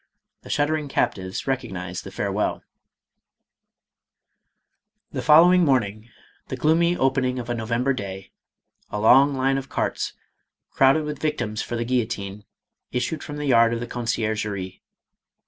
The shuddering captives recognized the farewell. MADAME ROLAND. 519 The following morning — the gloomy opening of a November day — a long line of carts, crowded with victims for the guillotine, issued from the yard of the Conciergerie.